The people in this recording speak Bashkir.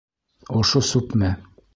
Ошо сүпме?